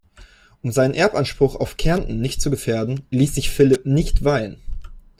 Um seine Erbansprüche auf Kärnten nicht zu gefährden, ließ sich Philipp nicht weihen.